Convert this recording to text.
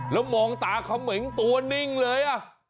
ละมองตาเขาเหม่งตัวนิ่งเลย